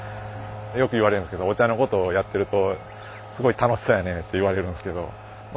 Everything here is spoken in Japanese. よく言われるんですけどお茶のことをやってるとすごい楽しそうやねって言われるんですけどまあ